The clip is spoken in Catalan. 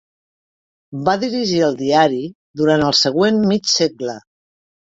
Va dirigir el diari durant el següent mig segle.